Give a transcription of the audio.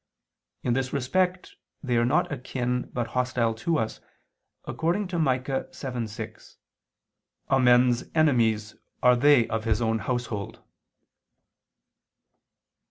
In this respect they are not akin but hostile to us, according to Micah 7:6: "A men's enemies are they of his own household."